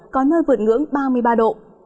có nơi vượt ngưỡng ba mươi ba độ